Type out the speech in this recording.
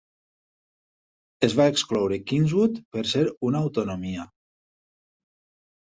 Es va excloure Kingswood per ser una autonomia.